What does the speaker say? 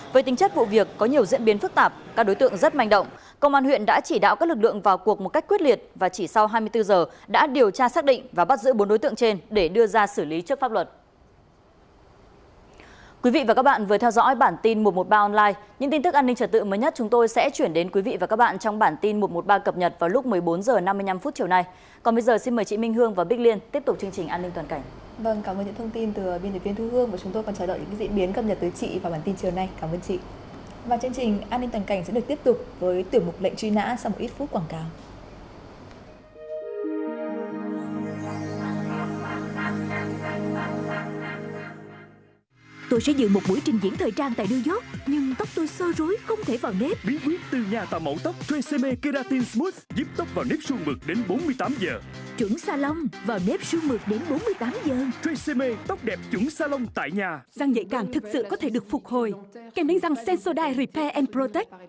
với tính chất vụ việc có nhiều diễn biến phức tạp các đối tượng rất manh động công an huyện đã chỉ đạo các lực lượng vào cuộc một cách quyết liệt và chỉ sau hai mươi bốn giờ đã điều tra xác định và bắt giữ bốn đối tượng trên để đưa ra xử lý trước pháp luật